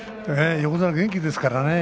横綱元気ですからね。